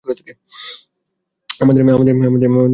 আমাদের ওকে জীবিত লাগবে।